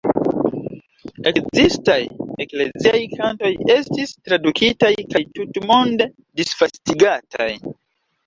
Ekzistaj ekleziaj kantoj estis tradukitaj kaj tutmonde disvastigataj.